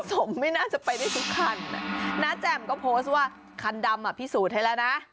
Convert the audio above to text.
ผมไม่น่าจะไปได้ทุกคันน้าแจ่มก็โพสต์ว่าคันดำอ่ะพิสูจน์ให้แล้วนะ